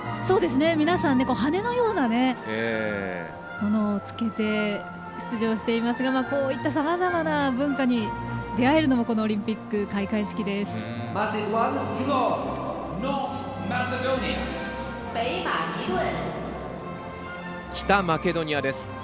皆さん羽のようなものをつけて出場していますがこういったさまざまな文化に出会えるのもオリンピック開会式です。